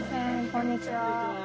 こんにちは。